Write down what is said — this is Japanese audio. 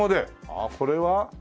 ああこれは？